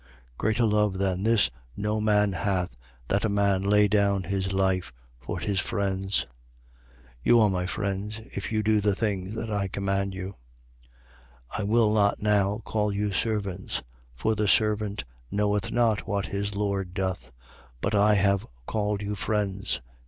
15:13. Greater love than this no man hath, that a man lay down his life for his friends. 15:14. You are my friends, if you do the things that I command you. 15:15. I will not now call you servants: for the servant knoweth not what his lord doth. But I have called you friends.